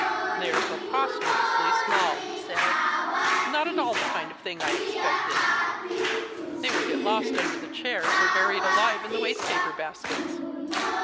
"They are preposterously small," he said, "not at all the kind of thing I expected. They will get lost under chairs or buried alive in waste paper baskets.